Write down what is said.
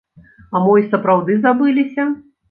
А мо і сапраўды забыліся.